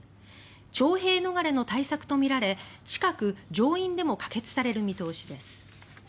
徴兵逃れの対策とみられ近く上院でも可決される見通しです。